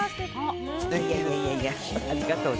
いやいやいや、ありがとうご